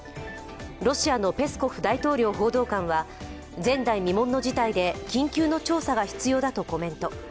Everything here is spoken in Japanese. ロシアのペスコフ大統領報道官は前代未聞の事態で緊急の調査が必要だとコメント。